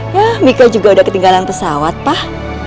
ya mika juga udah ketinggalan pesawat pak